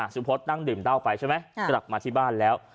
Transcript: ซูพฟดอับดื่มเล่าไปใช่มั้ยกลับมาที่บ้านแล้ว